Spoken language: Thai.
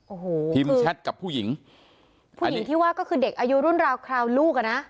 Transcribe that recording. โอ้โหพิมพ์แชทกับผู้หญิงผู้หญิงที่ว่าก็คือเด็กอายุรุ่นราวคราวลูกอ่ะนะ